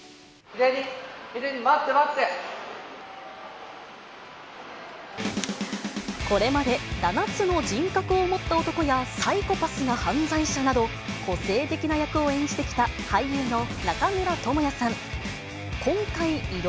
ひで兄、これまで、７つの人格を持った男や、サイコパスな犯罪者など、個性的な役を演じてきた俳優の中村倫也さん。